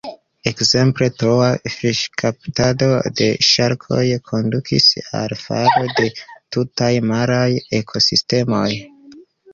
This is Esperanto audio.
Ekzemple, troa fiŝkaptado de ŝarkoj kondukis al falo de tutaj maraj ekosistemoj.